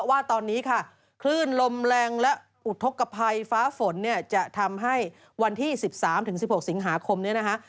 อุทธกภัยฟ้าฝนเนี่ยจะทำให้วันที่๑๓๑๖สิงหาคมเนี่ยนะฮะ